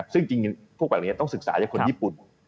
ซึ่งจริงพวกแบบนี้ต้องศึกษาจากคนญี่ปุ่น